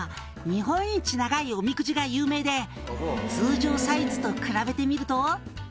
日本一長いおみくじが有名で通常サイズと比べてみると」